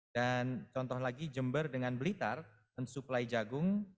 dan contoh lagi jember dengan blitar mensuplai jagung